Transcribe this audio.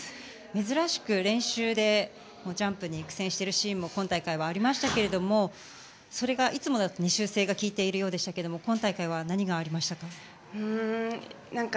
珍しく練習でジャンプに苦戦しているシーンも今大会はありましたけれどもそれがいつもだと修正が利いているようでしたけれども今大会は何がありましたか。